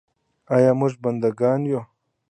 آیا موږ بنده ګان یو؟